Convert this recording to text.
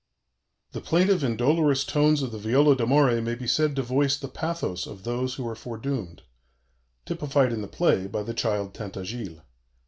The plaintive and dolorous tones of the viola d'amore may be said to voice the pathos of those who are foredoomed typified in the play by the child Tintagiles.